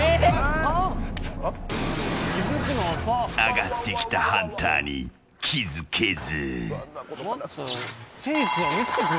上がってきたハンターに気づけず。